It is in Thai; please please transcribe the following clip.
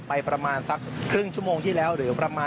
มาดูบรรจากาศมาดูความเคลื่อนไหวที่บริเวณหน้าสูตรการค้า